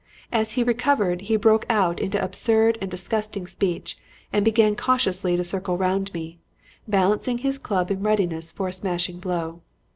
As he recovered, he broke out into absurd and disgusting speech and began cautiously to circle round me, balancing his club in readiness for a smashing blow.